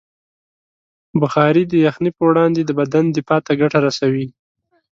بخاري د یخنۍ پر وړاندې د بدن دفاع ته ګټه رسوي.